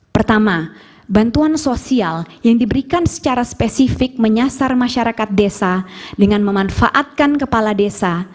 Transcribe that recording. pertama bantuan sosial yang diberikan secara spesifik menyasar masyarakat desa dengan memanfaatkan kepala desa